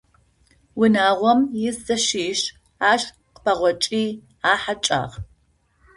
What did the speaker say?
Унагъом ис зэшищ ащ къыпэгъокӏыхи ахьэкӏагъ.